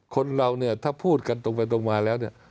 คนเราเนี่ยถ้าพูดกันตรงไปตรงมาแล้วเนี่ย